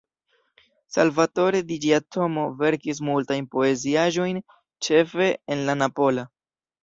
Salvatore Di Giacomo verkis multajn poeziaĵojn ĉefe en la napola.